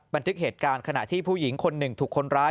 บันทึกเหตุการณ์ขณะที่ผู้หญิงคนหนึ่งถูกคนร้าย